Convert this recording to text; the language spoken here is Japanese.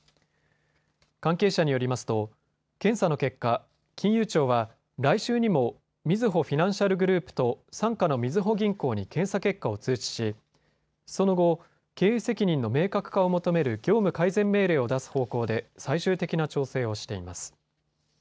関係者によりますと検査の結果、金融庁は来週にもみずほフィナンシャルグループと傘下のみずほ銀行に検査結果を通知しその後、経営責任の明確化を求める業務改善命令を出す方向で最終的な調整をしています。